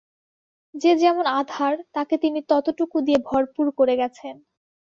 যে যেমন আধার, তাঁকে তিনি ততটুকু দিয়ে ভরপুর করে গেছেন।